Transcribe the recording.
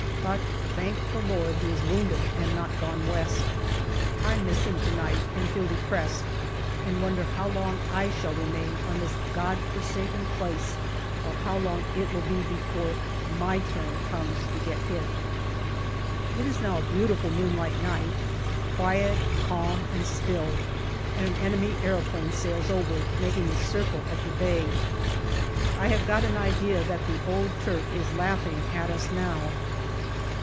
But thank the Lord he is wounded and not gone West! I miss him to night, and feel depressed, and wonder how long I shall remain on this God forsaken place or how long it will be before my turn comes to get hit. It is now a beautiful moonlight night, quiet, calm, and still, and an enemy aeroplane sails over, making a circle of the bay. I have got an idea that the old Turk is laughing at us now.